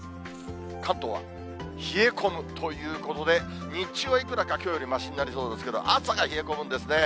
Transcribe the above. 関東は冷え込むということで、日中はいくらかきょうよりはましになりそうですが、朝が冷え込むんですね。